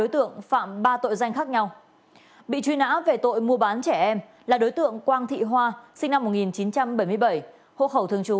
từ năm hai nghìn một mươi bảy hộ khẩu thường trú